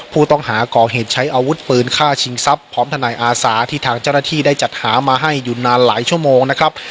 ผู้ต้องหาก่อเหตุใช้อาวุธปืนฆ่าชิงทรัพย์พร้อมทนายอาสาที่ทางเจ้าหน้าที่ได้จัดหามาให้อยู่นานหลายชั่วโมงนะครับ